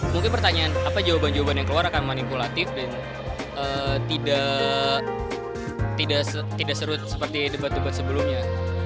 mungkin pertanyaan apa jawaban jawaban yang keluar akan manipulatif dan tidak serut seperti debat debat sebelumnya